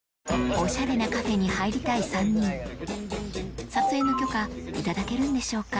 オシャレなカフェに入りたい３人撮影の許可頂けるんでしょうか？